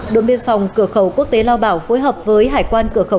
đội biên phòng cửa khẩu quốc tế lao bảo phối hợp với hải quan cửa khẩu